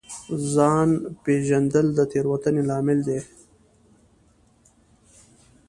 ځان نه پېژندل د تېروتنې لامل دی.